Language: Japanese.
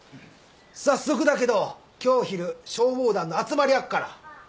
早速だけど今日昼消防団の集まりあっから。